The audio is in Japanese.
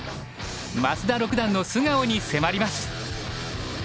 増田六段の素顔に迫ります。